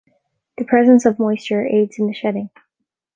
The presence of moisture aids in the shedding.